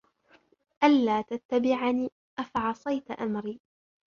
أَلَّا تَتَّبِعَنِ أَفَعَصَيْتَ أَمْرِي